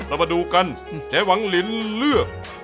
เรามาดูกันเจ๊หวังลินเลือก